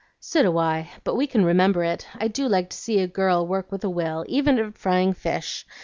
"So do I, but we can remember it. I do like to see a girl work with a will, even at frying fish.